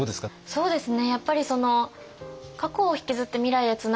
そうですね。